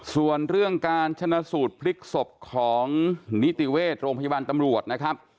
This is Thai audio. ส่วนเรื่องการชนะสูตรพลิกศพของนิติเวชโรงพยาบาลตำรวจนะครับ